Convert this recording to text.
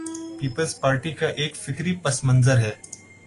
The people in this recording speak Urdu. پیپلزپارٹی کا ایک فکری پس منظر ہے۔